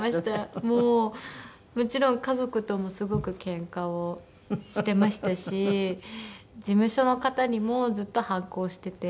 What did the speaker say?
もうもちろん家族ともすごくけんかをしてましたし事務所の方にもずっと反抗をしてて。